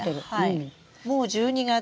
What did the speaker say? もう１２月。